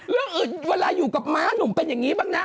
เรื่องอื่นเวลาอยู่กับม้าหนุ่มเป็นอย่างนี้บ้างนะ